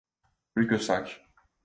Plus que cinq.